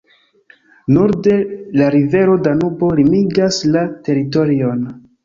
Norde la rivero Danubo limigas la teritorion.